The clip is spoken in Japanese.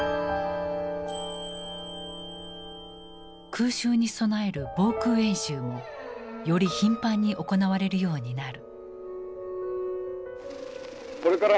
空襲に備える防空演習もより頻繁に行われるようになる。